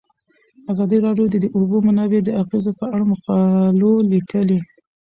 ازادي راډیو د د اوبو منابع د اغیزو په اړه مقالو لیکلي.